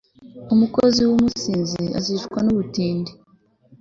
umukozi w'umusinzi azicwa n'ubutindi